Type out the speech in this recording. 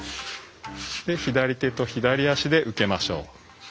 左手と左足で受けましょう。